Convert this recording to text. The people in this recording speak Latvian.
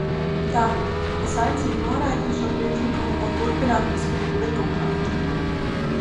Tātad es aicinu noraidīt šo priekšlikumu un turpināt izskatīt likumprojektu.